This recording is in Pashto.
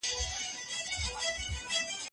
بهرنۍ پالیسي د خبرو اترو مخه نه نیسي.